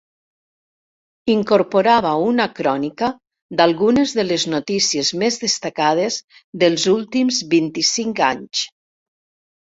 Incorporava una crònica d'algunes de les notícies més destacades dels últims vint-i-cinc anys.